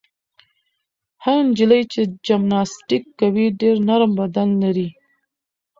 هغه نجلۍ چې جمناسټیک کوي ډېر نرم بدن لري.